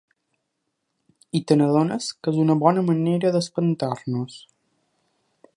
I t’adones que és una bona manera d’espantar-nos.